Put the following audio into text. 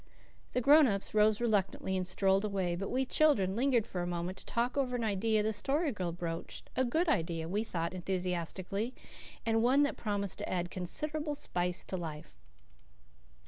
The grown ups rose reluctantly and strolled away; but we children lingered for a moment to talk over an idea the Story Girl broached a good idea, we thought enthusiastically, and one that promised to add considerable spice to life.